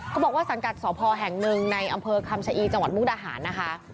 บอกว่าสังกัดสพแห่งหนึ่งในอำเภอคำชะอีจังหวัดมุกดาหารนะคะ